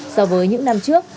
so với những năm trước